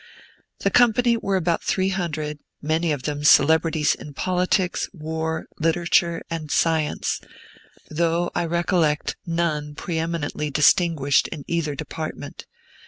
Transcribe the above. The company were about three hundred, many of them celebrities in politics, war, literature, and science, though I recollect none preeminently distinguished in either department.